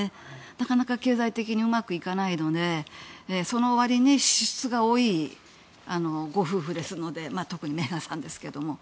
なかなか経済的にうまくいかないのでそのわりに支出が多いご夫婦ですので特にメーガンさんですけども。